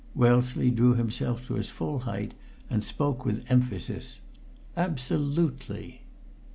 Wellesley drew himself to his full height, and spoke with emphasis: "Absolutely!"